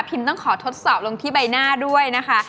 ต้องขอทดสอบลงที่ใบหน้าด้วยนะคะ